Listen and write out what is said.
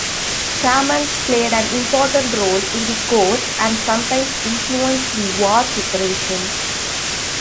Shamans played an important role in the court and sometimes influenced the war preparation.